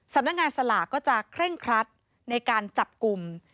สำนักงานสลากก็จะเคร่งครัดในการจับกลุ่ม